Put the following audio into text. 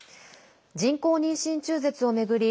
人工妊娠中絶を巡り